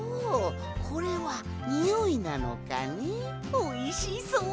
おいしそう。